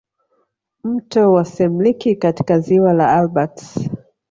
Mto wa semliki katika ziwa la Albert